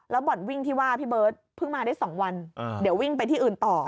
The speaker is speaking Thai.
บ่อนวิ่งที่ว่าพี่เบิร์ตเพิ่งมาได้๒วันเดี๋ยววิ่งไปที่อื่นต่อ